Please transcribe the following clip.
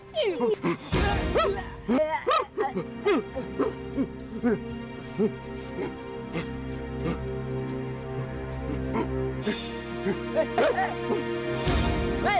saya tema tema katanya